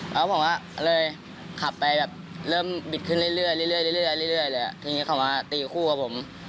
แล้วผมอะเลยขับไปแบบเริ่มบิดขึ้นเรื่อยเรื่อยเรื่อยเลยอะทีนี้เขามาตีคู่กับผม